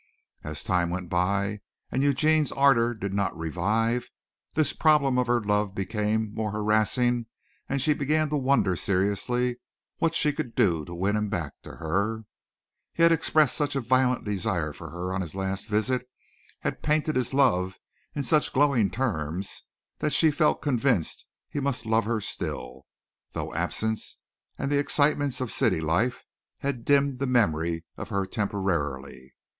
As time went by and Eugene's ardor did not revive, this problem of her love became more harrassing and she began to wonder seriously what she could do to win him back to her. He had expressed such a violent desire for her on his last visit, had painted his love in such glowing terms that she felt convinced he must love her still, though absence and the excitements of city life had dimmed the memory of her temporarily.